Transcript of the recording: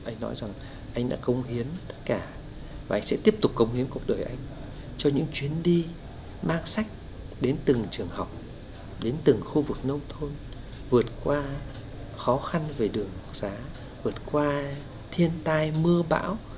anh nói rằng anh đã công hiến tất cả và anh sẽ tiếp tục cống hiến cuộc đời anh cho những chuyến đi mang sách đến từng trường học đến từng khu vực nông thôn vượt qua khó khăn về đường xá vượt qua thiên tai mưa bão